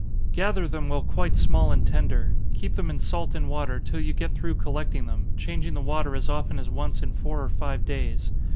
_ Gather them while quite small and tender. Keep them in salt and water, till you get through collecting them changing the water as often as once in four or five days.